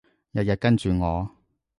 日日跟住我